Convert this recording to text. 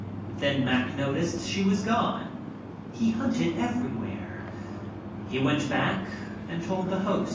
Then Mack noticed she was gone. He hunted everywhere. He went back and told the host.